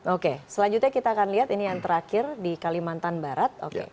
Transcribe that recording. oke selanjutnya kita akan lihat ini yang terakhir di kalimantan barat